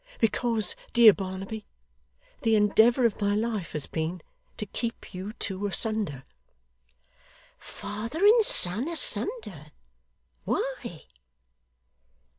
Because, dear Barnaby, the endeavour of my life has been to keep you two asunder.' 'Father and son asunder! Why?